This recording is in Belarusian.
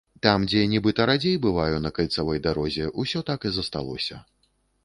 Там, дзе нібыта радзей бываю на кальцавой дарозе, усё так і засталося.